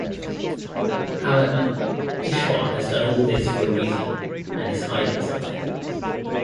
However, Ishwar has done all this for a reason and is hiding something.